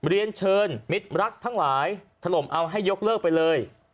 เรียนเชิญมิตรรักทั้งหลายถล่มเอาให้ยกเลิกไปเลย